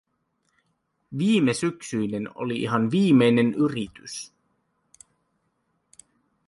Viimesyksyinen oli ihan viimeinen yritys.